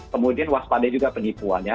kemudian waspada juga penipuan ya